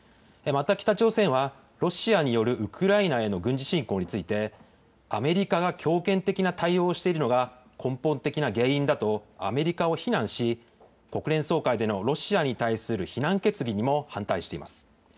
また、北朝鮮はロシアによるウクライナへの軍事侵攻について、アメリカが強権的な対応をしているのが根本的な原因だと、アメリカを非難し、国連総会でのロシアに対する非難決議にも反対しています。